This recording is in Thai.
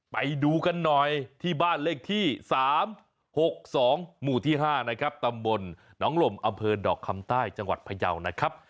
ไปดูกันหน่อยที่บ้านเลขที่๓๖๒หมู่ที่๕นะครับตำบลหนองลมอำเภอดอกคำใต้จังหวัดพยาวนะครับ